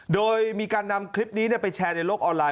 โดยมีการนำคลิปนี้ไปแชร์ในโลกออนไลน